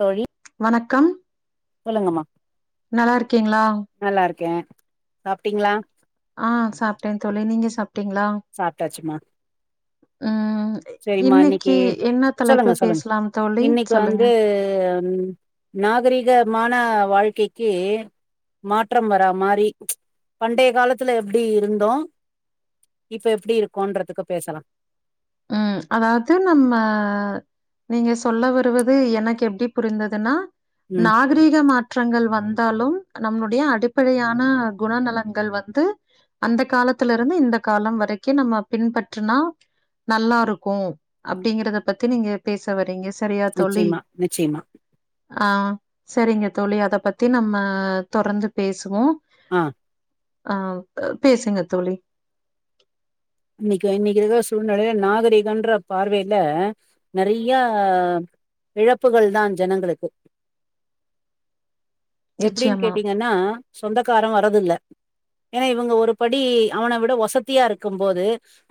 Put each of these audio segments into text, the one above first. தோழி வணக்கம் சொல்லுங்கம்மா நல்லாருக்கீங்ளா நல்லார்க்கே சாப்ட்டீங்ளா ஆ சாப்ட்டே தோழி நீங்க சாப்ட்டீங்ளா சாப்ட்டாச்சுமா ம் செரிமா இன்னிக்கி இன்னைக்கு என்ன சொல்லுங்க தலைப்பு சொல்லுங்க பேசலாம் தோழி இன்னைக்கு சொல்லுங்க. வந்து ம் நாகரிகமான வாழ்க்கைக்கு மாற்றம் வரா மாரி பண்டைய காலத்துல எப்டி இருந்தோ இப்ப எப்டி இருக்கோன்றதுக்கு பேசலா ம் அதாது நம்ம நீங்க சொல்ல வருவது எனக்கு எப்டி புரிந்ததுன்னா ம் நா கரீக மாற்றங்கள் வந்தாலு நம்ளுடைய அடிப்படையான குணநலங்கள் வந்து அந்த காலத்திலருந்து இந்த காலம் வரைக்கு நம்ம பின்பற்றுனா நல்லாருக்கு அப்டிங்கறத பத்தி நீங்க பேச வரீங்க சி சரியா தோழி நிச்சயமா நிச்சயமா ஆ செரிங்க தோழி அத பத்தி நம்ம தொடர்ந்து பேசுவோ அ ஆ பேசுங்க தோழி இன்னைக்கு இன்னைக்கு இருக்ற சூழ்நிலைல நாகரிகன்ற பார்வைல நெறையா இழப்புகள்தா ஜனங்களுக்கு எப்டின் நிச்சயமா கேட்டீங்கன்னா சொந்தக்காரன் வரதில்ல ஏனா இவுங்க ஒரு படி அவன விட ஒசத்தியா இருக்கும் போது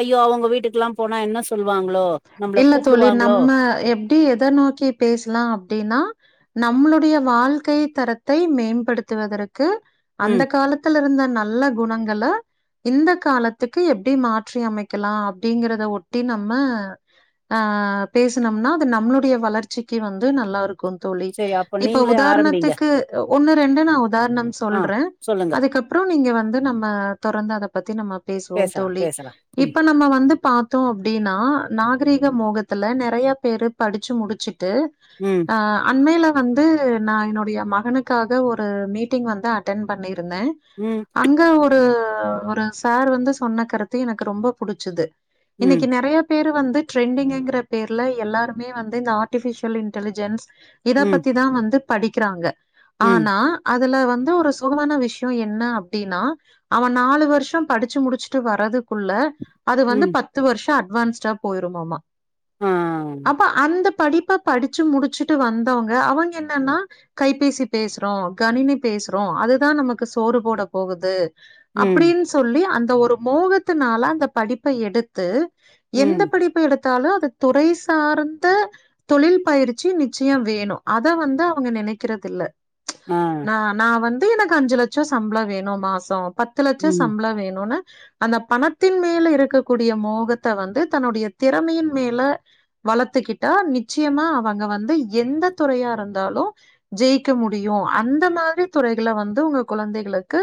ஐயோ அவுங்க வீட்டுக்குலா போனா என்னா சொல்வாங்ளோ இல்ல தோழி நம்ம எப்டி எத நோக்கி பேசலா அப்டின்னா நம்ளுடைய வாழ்க்கை தரத்தை மேம்படுத்துவதற்கு அந்த ம் காலத் துல இருந்த நல்ல குணங்கல இந்த காலத்துக்கு எப்டி மாற்றி அமைக்கலாம் அப்டிங்கறத ஒட்டி நம்ம ஆ பேசனம்னா அது நம்மளுடைய வளர்ச்சிக்கு வந்து நல்லா இருக்கும் தோழி சரி அப்ப இப்ப நீங்களே ஆரம்பிங்க உதாரணத்துக்கு ஒன்னு ரெண்டு நா உதார்ணம் ஆ சொல்றே சொல்லுங்க அதுக்கப்புற நீங்க வந்து நம்ம தொடந்து அத பத்தி நம்ம பேசுவோ பேசலா தோழி பேசலா ம் இப்ப நம்ம வந்து பா த்தோ அப்டினா நாகரீக மோகத்துல நெறைய பேரு படிச்சு முடிச்சுட்டு ம் அ அண்மைல வந்து நா என்னுடைய மகனுக்காக ஒரு மீட்டிங் வந்து அட்டன் பண்ணிருந்தே ம் அங்க ஒரு ஒரு சார் வந்து சொன்ன கருத்து எனக்கு ரொம்ப புடிச்சுது ம் இன்னைக்கு நெறைய பேரு வந்து ட்ரெண்டிங்கிங்கிற பேருல எல்லாருமே வந்து இந்த ஆர்ட்டிபிஷியல் இன்டலிஜென்ஸ் இத ம் பத்திதா வந்து படிக்கிறாங்க ம் ஆனா அதுல வந்து ஒரு சோகமான விஷ்யோ என்ன அப்டினா அவ நாலு வர்ஷோ படிச்சு முடிச்சுட்டு வர்துக்குள்ள அது வந்து ம் பத்து வருஷோ அட்வான்ஸ் ஸ போயிருமாம ஆ அப்ப அந்த படிப்ப படிச்சு முடிச்சிட்டு வந்தவங்க அவங்க என்னன்னா கைபேசி பேசுறோ கணினி பேசுறோ அதுதா நமக்கு சோறு போட போகுது ம் அப்டின் சொல்லி அந்த ஒரு மோகத்தினால அந்த படிப்ப எடுத்து எந்த ம் படிப்பு எடுத்தாலு அது துறை சார்ந்த தொழில் பயிற்சி நிச்சயோ வேணு அத வந்து அவங்க நெனைக்கிறதில்ல ஆ ந நா வந்து எனக்கு அஞ்சு லட்சோ சம்பிள வேணு மாசோ பத் து லட்ச ம் சம்பள வேணுனு அந்த பணத்தின் மேல் இருக்கக்கூடிய மோகத்த த வந்து தன்னுடைய திறமையின் மேல வளத்துக்கிட்டா நிச்சியம அவங்க வந்த எந்த துறையா இருந்தாலு ஜெயிக்க முடியு அந்த மாதிரி துறைகள வந்து உங்க குழந்தைகளுக்கு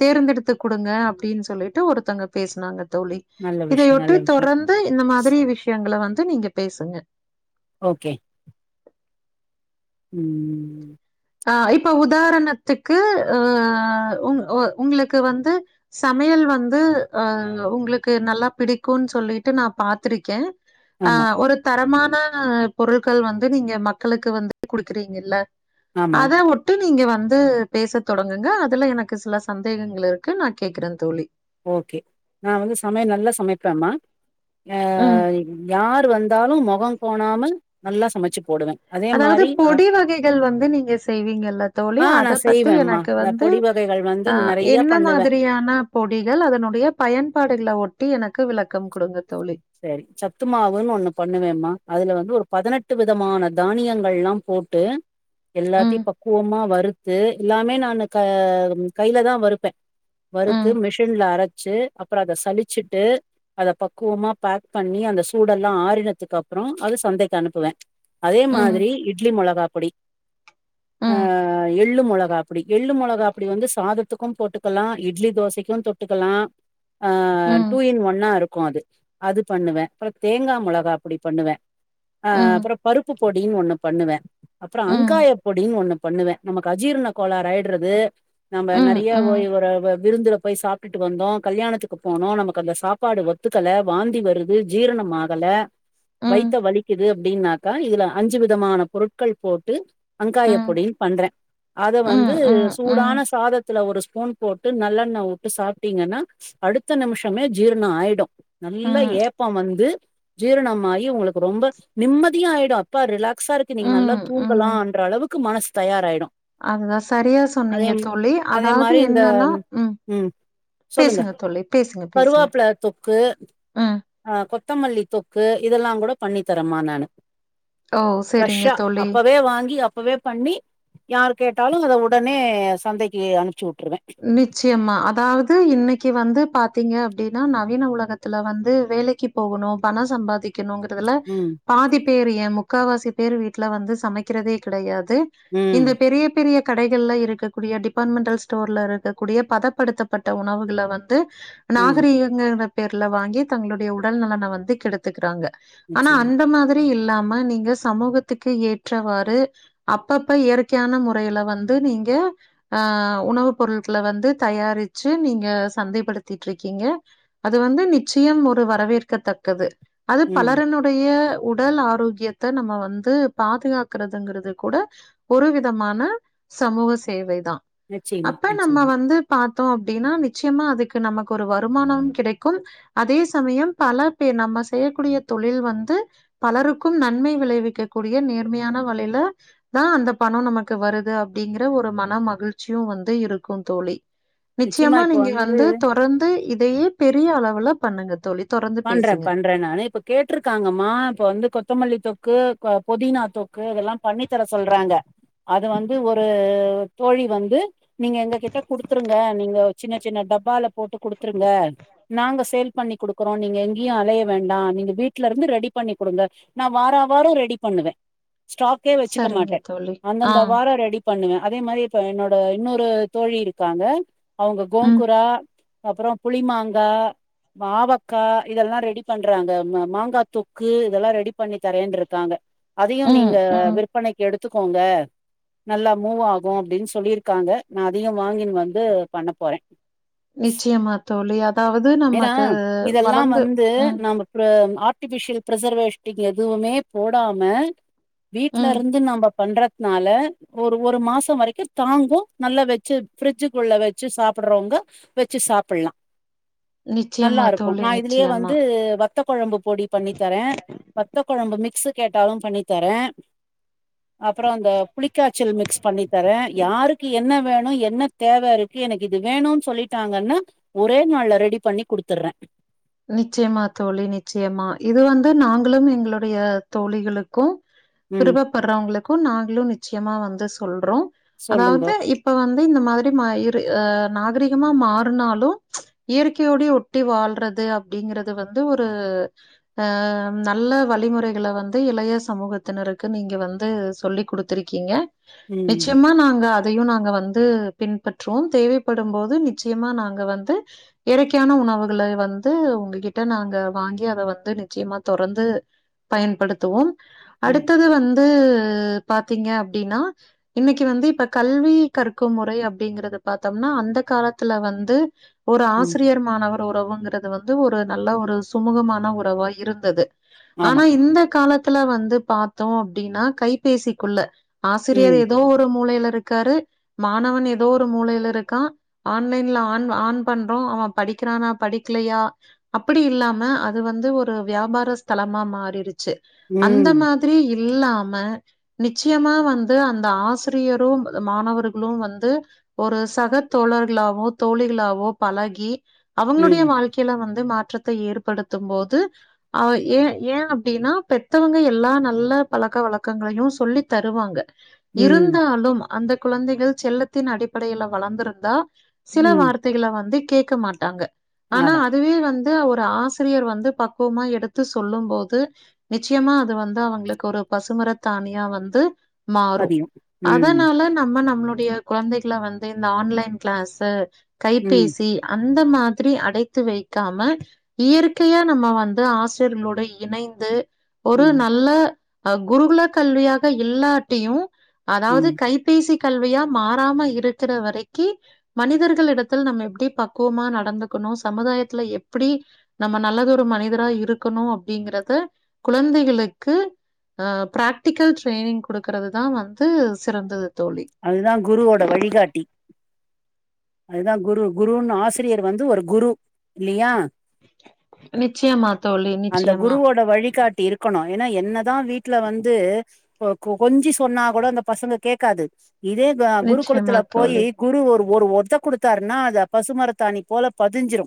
தேர்ந்தெடுத்து குடுங்க அப்டின் சொல்லிட்டு ஒருத்தங்க பேச்னாங்க தோழி நல்ல விஷ்ய நல்ல விஷயம் அதுதா இந்த மாதிரி விஷயங்கள வந்து நீங்க பேசுங்க ஓகே ம் ஆ இப்ப உதாரணத்துக்கு அ உங் உங்ளுக்கு வந்து சமையல் வந்து அ உங்ளுக்கு நல்லா பிடிக்குன் சொல்லிட்டு நா பாத்திருக்கே அ ஆமா ஒரு தரமான பொருள்கள் வந்து நீங்க மக்களுக்கு வந்துடு குடுக்றீங்க இல்ல ஆமா அதா ஒட் ட்டு நீங்க வந்து பேச தொடங்குங்க அதுல எனக்கு சில சந்தேகங்கள் இருக்கு நா கேக்கிற தோழி ஓகே நா வந்து சமையல் நல்ல சமைப்பே மா ம். யாரு வந் தாலு முகங் கோணாமல் நல்லா சமைச்சு போடுவே அதே அதாவது மாரி அ பொடி வகைகள் வந்து நீங்க செய்வீங்கல்ல தோழி ஆ நா அத பத்தி செய்வேம்மா எனக்கு ட அந்த வந்து பொடி வகைகள் வந்து ஆ நெறைய என்ன பண்ணுவே மாதிரியான பொடிகள் அதனுடைய பயன்பாடுகள ஒட்டி எனக்கு விளக்கம் குடுங்க தோழி சரி சத்து மாவுன் ஒண்ணு பண்ணுவேமா அதுல வந்து ஒரு பதினெட்டு விதமான தானியங்கள்லா போட்டு ம், எல்லாத்தியு பக்குவமா வறு த்து எல்லாமே நானு க கைல தா வறுப்பே வறுத்து ம், மிஷின்ல அரச்சு அப்புற அத சளிச்சிட்டு அத பக்குவமா பேக் பண்ணி அந்த சூடெல்லா ஆறினதுக்கப்ற அது சந்தைக்கு அனுப்புவே அதே ம், மாதிரி இட்லி மொளகாப்பொடி ஆ ம், எள்ளு மொளகாப்புடி எள்ளு மொளகாப்புடி வந்து சாதத்துக்கு போட்டுக்கலா இட்லி தோசைக்கு தொட் ட்டுக்கலா ஆ ம், டூ இன் ஒன்னா இருக்கு அது அது பண்ணுவே அப்ற தேங்கா மொளகாபொடி பண்ணுவே அ ம், அப்புறோ பருப்பு பொடின்னு ஒன்னு பண்ணுவே அப்புறோ ம், ம், அங்காய பொடின்னு ஒன்னு பண்ணுவே நமக்கு அஜீரண கோளறு ஆயடறது நாம்ப ம், நெறைய ஓய் ம், ஒரு வ விருந்துல போய் சாப்ட்டுட்டு வந்தோ கல்யாணத்துக்கு போனோ நமக்கு அந்த சாப் ப்பாடு ஒத்துக்கள வாந்தி வருது ஜீரணமாகல ம், வைத்த வலிக்கு து அப்டின்னாக்கா இதுல அஞ்சி விதமான பொருட்கள் போட்டு அங்காய ம், பொடினு பண்றே அத வந்து ம், ம், சூடான சாத த்துல ஒரு ஸ்பூன் போட்டு நல்லெண்ணவுட்டு சாப்ட்டிங்கன்னா அடுத்த நிமிஷமே ஜீரண ஆயிடு நல்ல ம், ஏப்ப வந்து ஜீரணமாயி உங்களுக்கு ரொம்ப நிம்மதியா ஆயிடு அப்பா ரிலா க்ஸா இன்னிக்கு நல்லா ம், தூங்கலான்ற அளவுக்கு மனசு தயாராயிடு அதுதா சரியா அதே சொன்னீங்க ம- தோழி அதே அதாவது மாரி இந்த என்னன்னா ம் சொல்லுங்க பேசுங்க தோழி பேசுங்க பேசுங்க ம் ஆ கொத்தமல்லி தொக்கு இதெல்லா கூட பண்ணி தரமா நானு ஓ சரிங்க ஃப்ரஷா தோழி அப்பவே வாங்கி அப்பவே பண்ணி யார் கேட்டாலு அத உடனே சந்தைக்கு அனுப்ச்சிவுட்ருவே நிச்சயமா அதாவது இன்னைக்கு வந்து பாத்தீங்க அப்டின்னா நவீன உலகத் த்துல வந்து வேலைக்கு போகுனு பண சம்பாதி க்கணுங்கிறதுல ம் பாதி பேர் ஏ முக்காவாசி பேரு வீட்ல வந்து சமைக்றதே கிடையாது ம் இந்த பெரிய பெரிய கடைகள்ல இருக்கக்கூடிய டிபாட்மென்டல்ஸ் டோர்ல இருக்கக்கூடிய பதப்படுத்தப்பட்ட உணவுகள வந்து ம் நாகரீக ங்கு இன்ற பேர்ல வாங்கி தங்களுடைய உடல் நலன வந்து கெடுத்துக்றாங்க ஆனா நிச்சயமா. அந்த மாதி ரி இல்லாம நீங்க சமூகத்துக்கு ஏற்றவாறு அப்பப்ப இயற்கையான முறையில வந்து நீங்க ஆ உணவு பொருள்கள வந்து தயாரிச்சி நீங்க சந்தைப்படுத்திட்டு இருக்கீங்க அது வந்து நிச்சயம் ஒரு வரவேற்கத்தக்கது அது ம். பலரனுட் டைய உடல் ஆரோக்கியத்த நம்ம வந்து பாதுகாக்கறது இங்கறது கூட ஒரு விதமான சமூக சேவை தா நிச்சயமா, அப்ப நம்ம நிச்சயமா. வந்து பாத்தோ அப்டின்னா நிச்சியமா அதுக்கு நமக்கு ஒரு வருமானம் கிடைக்கும் அதே சமயம் பல பேர் நம்ம செய்யக்கூடிய தொழில் வந்து பலருக்கும் நன்மை விளைவிக்கக் கூடிய நேர்மையான வழைல தா அந்த பணோ நமக்கு வருது அப்டிங்கற ஒரு மன மகிழ்ச்சியு வந் த் இருக்கு தோழி நிச்சயமா நீங்க வந்து தொரந்து இதையே பெரிய அளவுல பண்ணுங்க தோழி தொடர்ந்து பண்றே பேசுங்க. பண்றே நானு இப்ப கேட்ருக்காங்கம்மா இப்ப வந்து கொத்தமல்லி தொக்கு ப பொதினா தொக்கு இதெல்லா பண்ணி தர சொல்றாங்க அத வந்து ஒரு தோழி வந்து நீங்க எங்ககிட்ட குடுத்துருங்க நீங்க சின்ன சின்ன டப்பால போட்டு குடுத்துருங்க நாங்க சேல் பண்ணி குடுக் க்றோ நீங்க எங்கியு அலைய வேண்டா நீங்க வீட்ல இருந்து ரெடி பண்ணி குடுங்க நா வாரா வாரோ ரெடி பண்ணுவே ஸ்டாக்கே சரிங்க வச்சிக்கமாட்டே தோழி ஆ அந்தந்த வாரோ ரெடி பண்ணுவே அதே மாரி இப்ப என்னோட இன்னொரு தோழி இருக்காங்க அவங்க ம் கோங்குரா அப்புறோ புளிமாங்கா மாவக் க்கா இதெல்லா ரெடி பண்றாங்க ம மாங்கா தொக்கு இதெல்லா ரெடி பண்ணிதரேருக்காங்க அதையு ம் நீங்க ம் விற்பனைக்கு எடுத்துக்கோங்க நல்லா மூவ் ஆகு அப்டின் சொல்லியிருக்காங்க நா அதயு வாங்கின்னு வந்து பண்ண போறே நிச்சயமா தோழி அதாவது ஏன்னா நமக்கு இதெல்லா வளந்து வந்து ம் நம்ப ஒரு ஆர்டிஃபிஷியல் பிரிசர்வேஷ்டிங் எதுவுமே போடாம வீட்ல ம் இருந்து நம்ப பண்றதுனால ஒரு ஒரு மாசோ வரைக்கு தாங்கு நல்லா வச்சி ஃப்ரிட்ஜ்ஜு குள்ள வச்சி சாப்படுறவுங்க வச்சி சாப்பட்லா நிச்சயமாத்தா நா இதுலயே வந்து வத்த கொழம்பு பொடி பண்ணி தர வத்த குழம்பு மிக்ஸு கேட்டாலு பண்ணி தர அப்பறோ இந்த புளிக்காச்சல் மிக்ஸ் பண்ணி தர யாருக்கு என்ன வேணு என்ன தேவ இருக்கு எனக்கு இது வேணுன்னு சொல்லிட்டாங்கன்னா ஒரே நாள்ல ரெடி பண்ணி குடுத்தடுற நிச்சயமா தோழி நிச்சயமா இது வந்து நாங்களு எங்களுடையே தோழிகளுக்கு ம் பிறுப படுறவுங்களுக்கு நாங்களு நிச்சயமா வந்து சொல்றோ அதாவது சொல்லுங்கோ இப் இப்ப வந்து இந்த மாதிரி மயிரு ஆ நாகரிகமா மாறனாலு இயற்கையோடே ஒட்டி வாழ்றது அப்டிங்கறது வந்து ஒரு ஆ நல்ல வழிமுறைகளை வந்து இளைய சமூகத்தினருக்கு நீங்க வந்து சொல்லி குடுத் துருக்கீங்க ம் நிச்சயமா நாங்க அதையு நாங்க வந்து பின்பற்றுவோ தேவைப்படும் போது நிச்சயமா நாங்க வந்து இயற்கையான உணவுகள வந் து உங்ககிட்ட நாங்க வாங்கி அத வந்து நிச்சயமா தொடர்ந்து பயன்படுத்துவோ ம் அடுத்தது வந்து பாத்தீங்க அப்டினா இன்னைக்கு வந்து இப்ப கல்வி கற்கும் முறை அப்டிங்கறத பாத்தம்னா அந்த காலத்துல வந்து ஒரு ம் ஆசிரியர் மாணவர் உறவுங்கறது வந்து ஒரு நல்ல ஒரு சுமூகமான உறவா இருந்தது ஆனா ஆமா இந்த காலத்துல வந்து பாத்தோ அப்டிறன்னா கைபேசிக்குள்ள ஆசிரியர் ம் ஏதோ ஒரு மூளையில இருக்காரு மாணவன் ஏதோ ஒரு மூளையில இருக்கா ஆன்லைன்ல ஆன் ஆன் பண்றோ அவ படிக்கிறானா படிக்கலையா அப்பிடி இல்லாமே அது வந்து ஒரு வியாபார ஸ்தலமா மாறிருச்சி அந்த ம் மா திரி இல்லாம நிச்சயமா வந்து அந்த ஆசிரியரு மாணவர்களு வந்து ஒரு சக தோழர்களாவோ தோழிகளாவோ பழகி அவங்களுடையே ம் வாழ் கைல வந்து மாற்றத்த ஏற்படுத்தும் போது அவ ஏ ஏ அப்டினா பெத்தவங்க எல்லா நல்ல பழக்க வழக்கங்களையு சொல்லி தருவாங்க ம் இருந்தாலும் அந்த குழந்தைகள் செல்லத்தின் அடிப்படையில வளர்ந்திருந்தா சில ம் வார்த் தைகள வந்து கேக்க மாட்டாங்க ஆனா அத அது அதுவே வந்து ஒரு ஆசிரியர் வந்து பக்குவமா எடுத்து சொல்லும்போது நிச்சயமா அது வந்து அவங்களுக்கு ஒரு பசுமரத்தானியா வந்து மாறு பதியு ம் அதனால நம்ம நம்மளுடைய குழந்தைகள வந்து இந்த ஆன்லைன் கிளாஸ்ஸு ம் கைபேசி அந்த மாதிரி அடைத்து வை க்காம இயற்கையா நம்ம வந்து ஆசிரியர்களோட இணைந்து ஒரு ம் நல்ல அ குருகுல கல்வியாக இல்லாட்டியு அதாவது ம் கை கைப்பேசி கல்வியா மாறாம இருக்கிற வரைக்கி மனிதர்கள் இடத்தில் நம்ம எப்டி பக்குவமா நடந்துக்கணு சமுதாயத் தலே எப்டி நம்ம நல்லதொரு மனிதரா இருக்குணு அப்டிங்கறதே குழந்தைகளுக்கு ஆ பிராக்டிக்கல் ட்ரைனிங் குடுக்கறது தா வந்து சிறந்தது தோழி அதுதா குருவோட வழிகாட்டி அதா குரு குருன் ஆசிரியர் ஒரு வந்து குரு இல்லையா நிச்சயமா தோழி அந்த நிச்சயமா குருவோட வழிகாட்டி இருக் க்கணு ஏன்னா என்னதா வீட்ல வந்து கொஞ்சி சொன்னா கூட அந்த பசங்க கேக்காது இதே நிச்சயமா குருகுளத்துல போயி தோழி குரு ஒரு ஒத குடுத்தாருன்னா அத பசுமரத்தாணி போல பதிஞ்சிரு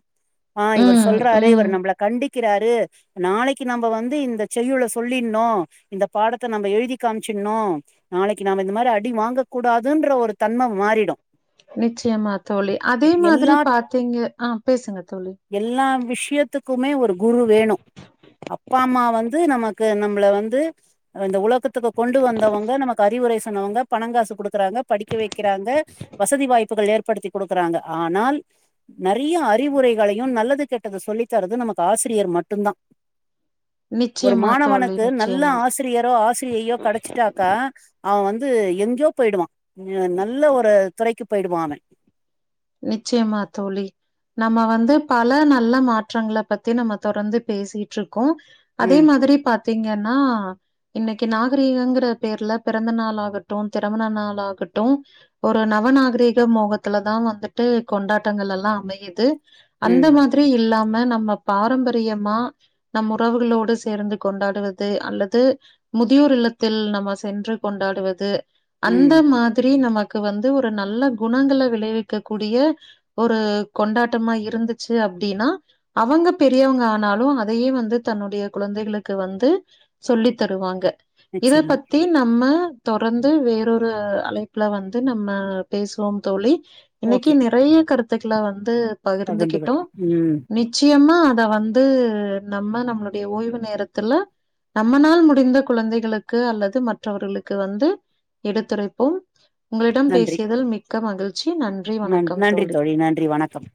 ஆ இவர் ம் சொல்றாரு ம் இவர் நம்மள கண்டிக்கிறாரு நாளைக்கு நம்ம வந்து இந்த செய்யுள சொல்லிணோ இந்த பாடத்த நம்ம எழுதி காமிச்சிணோ நாளைக்கு நாம இந்த மாரி அடி வாங்க கூடாதுன்ற ஒரு தன்ம மாறிடு நிச்சயமா தோழி அதே எல்லா மாதிரி பாத்தீங்க ஆ பேசுங்க தோழி எல்லா விஷயத்துக்குமே ஒரு குரு வேணு அப்பா அம்மா வந்து நமக்கு நம்மள வந்து இந்த உலகத் துக்கு கொண்டு வந்தவங்க நமக்கு அறிவுரை சொன்னவங்க பனங்காச குடுக்கறாங்க படிக்க வைக்கிறாங்க வசதி வாய்ப்புகள் ஏற்படுத்தி குடுக்கறாங்க ஆனால் நெறைய அறிவுரைகளையு நல்லது கெட்டத சொல்லி தரது நமக்கு ஆசிரியர் மட்டுந்தா ஒரு நிச்சயமா தோழி மாணவனுக்கு நல்ல நிச்சயமா ஆசி ரியரோ ஆசிரியையோ கெடைச்சிட்டாக்கா அவ வந்து எங்கேயோ போய்டுவா நல்ல ஒரு துறைக்கு போயிடுவா நிச்சயமா தோழி நம்ம வந்து பல நல்ல மாற்றங்கள பத்தி நம்ம தொடர்ந்து பேசிட்டு இருக்கோ அதே ம் மாதிரி பாத்தீங்கன்னா இன்னைக்கு நாகரீகங்கிற பேர்ல பிறந்த நாள் ஆகட்டு திருமண நாள் ஆகட்டு ஒரு நவநாகரீக மோகத்துல தா வந்துட்டு கொண்டாட்டங்கள் எல்லா அமையுது அந்த ம் மாதி திரி இல்லாம நம்ம பாரம்பரியமா நம் உறவுகளோடு சேர்ந்து கொண்டாடுவது அல்லது முதியோர் இல்லத்தில் நம சென்று கொண்டாடுவது அந்த ம் மாதிரி நமக்கு வந்து ஒரு நல்ல குணங்கள விளைவிக்க கூடிய ஒரு கொண்டாட்டமா இருந்துச்சு அப்டின்னா அவங்க பெரியவங்க ஆனாலு அதையே வந்து தன்னுடைய குழந்தைகளுக்கு வந்து சொல்லி தருவாங்க இத நிச்சயமா பத்தி நம்ம தொடர்ந்து வேறொரு அழைப்புல வந்து நம்ம பேசுவோம் தோழி இன்னைக்கி ஓகே நிறைய கருத்துக்கள வந்து பகிர்ந்துகிட்டோ நி ச்சயமா அத வந்து நம்ம நம்மளுடைய ஓய்வு நேரத்துல நம்மனால் முடிந்த குழந்தைகளுக்கு அல்லது மற்றவர்களுக்கு வந்து எடுத்துரைப்போம் உங்களிடம் நன்றி பேசியதில் மிக்க மகிழ்ச்சி நன் நன் நன்றி தோழி நன்றி வணக்கம்